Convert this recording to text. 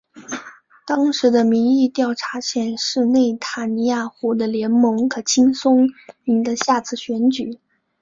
当时的民意调查显示内塔尼亚胡的联盟可轻松赢得下次选举。